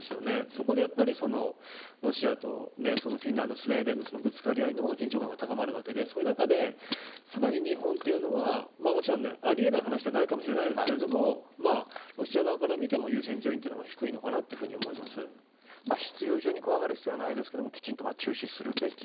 そこでロシアとフィンランドスウェーデンのぶつかり合いの方が緊張感が高まるわけでそういう中でさらに日本というのはもちろん、あり得ない話ではないかもしれませんがロシア側から見ても優先順位は必要以上に怖がる必要はないと思いますがきちんと注視するべき。